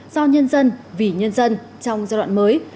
do nhân dân vì nhân dân trong giai đoạn mới